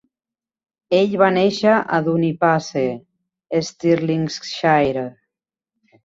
Ell va néixer a Dunipace, Stirlingshire.